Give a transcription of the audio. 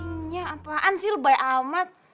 ini apaan sih lebay amat